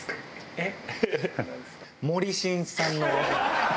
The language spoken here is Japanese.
えっ？